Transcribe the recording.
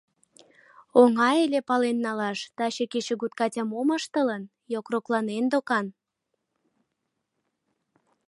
«Оҥай ыле пален налаш, таче кечыгут Катя мом ыштылын?.. йокрокланен докан.